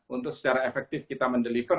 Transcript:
untuk secara efektif kita mendeliver